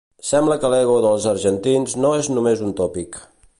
Sembla que l'ego dels argentins no és només un tòpic